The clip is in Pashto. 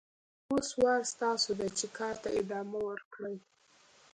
اوس وار ستاسو دی چې کار ته ادامه ورکړئ.